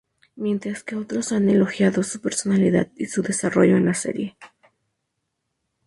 Mientras que otros han elogiado su personalidad y su desarrollo en la serie.